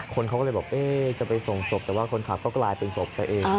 คนเขาก็เลยบอกจะไปส่งศพแต่ว่าคนขับก็กลายเป็นศพซะเอง